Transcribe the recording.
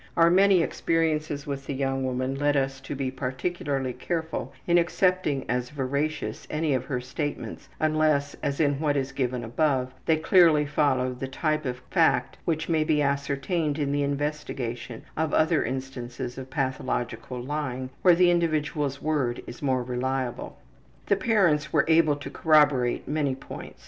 Our many experiences with the young woman led us to be particularly careful in accepting as veracious any of her statements unless, as in what is given above, they clearly followed the type of fact which may be ascertained in the investigation of other instances of pathological lying where the individual's word is more reliable. The parents were able to corroborate many points.